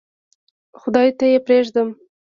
خدای ته یې پرېږدم.